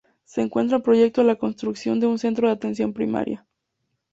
Se encuentra en proyecto la construcción de un centro de atención primaria.